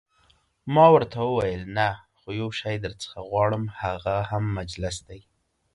ما ورته وویل: نه، خو یو شی درڅخه غواړم، هغه هم مجلس دی.